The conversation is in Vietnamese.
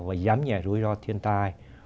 và giám nhạy rủi ro thiên tai